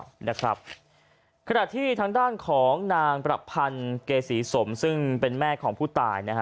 ขณะที่ทางด้านของนางประพันธ์เกษีสมซึ่งเป็นแม่ของผู้ตายนะฮะ